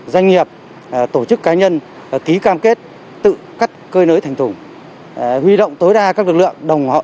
doanh nghiệp tổ chức cá nhân ký cam kết tự cắt cơi nới thành thùng huy động tối đa các lực lượng